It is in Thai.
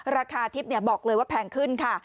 ราคาทิพย์บอกเลยว่าแพงขึ้นค่ะ